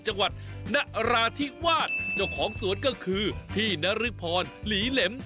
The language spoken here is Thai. จังหวัดนราธิวาสเจ้าของสวนก็คือพี่นรึพรหลีเหล็ม